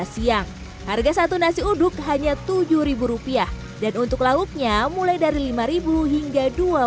siang harga satu nasi uduk hanya tujuh rupiah dan untuk lauknya mulai dari lima hingga